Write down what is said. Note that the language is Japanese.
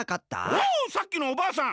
おおさっきのおばあさん！